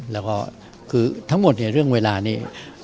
แล้วก็คือทั้งหมดเนี่ยเรื่องเวลานี้